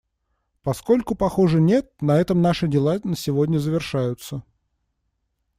Поскольку, похоже, нет, на этом наши дела на сегодня завершаются.